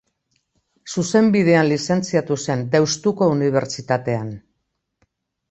Zuzenbidean lizentziatu zen Deustuko Unibertsitatean.